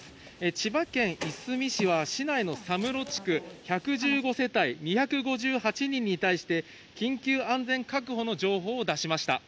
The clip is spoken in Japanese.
千葉県いすみ市は市内の佐室地区１１５世帯２５８人に対して、緊急安全確保の情報を出しました。